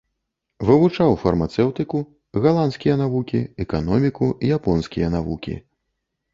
Вывучаў фармацэўтыку, галандскія навукі, эканоміку, японскія навукі.